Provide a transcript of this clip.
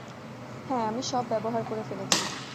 হ্যাঁ, আমি সব ব্যবহার করে ফেলেছি।